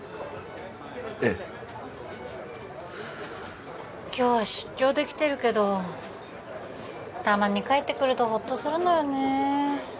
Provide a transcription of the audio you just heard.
ええ今日は出張で来てるけどたまに帰ってくるとホッとするのよね